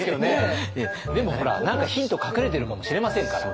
でもほら何かヒント隠れてるかもしれませんから。